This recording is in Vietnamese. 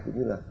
cũng như là